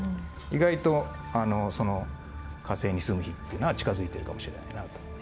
意外と火星に住む日っていうのは近づいているかもしれないなという。